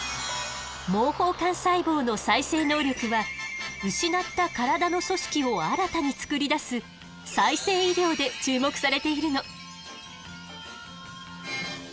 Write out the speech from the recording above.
毛包幹細胞の再生能力は失った体の組織を新たに作り出す「再生医療」で注目されているの。